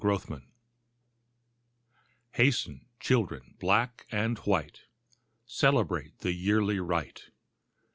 ARBOR DAY Hasten, children, black and white Celebrate the yearly rite.